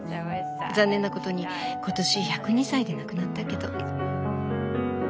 残念なことに今年１０２歳で亡くなったけど。